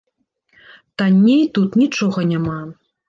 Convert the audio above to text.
Танней тут нічога няма.